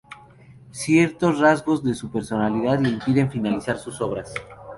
Ciertos rasgos de su personalidad le impiden finalizar sus obras.